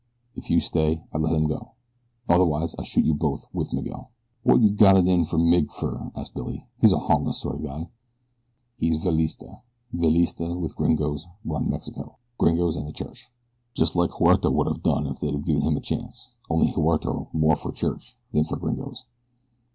If you stay I let him go. Otherwise I shoot you both with Miguel." "Wot you got it in for Mig fer?" asked Billy. "He's a harmless sort o' guy." "He Villista. Villista with gringos run Mexico gringos and the church. Just like Huerta would have done it if they'd given him a chance, only Huerta more for church than for gringos."